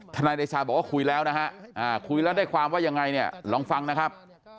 นายเดชาบอกว่าคุยแล้วนะฮะคุยแล้วได้ความว่ายังไงเนี่ยลองฟังนะครับ